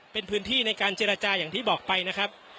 เป็นพื้นที่ในการเจรจาอย่างที่บอกไปนะครับ